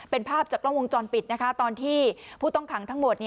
เป็นภาพจากกล้องวงจรปิดนะคะตอนที่ผู้ต้องขังทั้งหมด